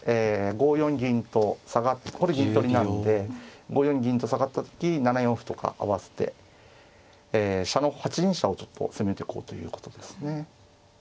５四銀と下がってこれ銀取りなんで５四銀と下がった時７四歩とか合わせて飛車の８二飛車をちょっと攻めてこうということですね。